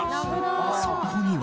そこには。